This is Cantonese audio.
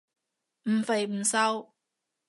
唔肥唔瘦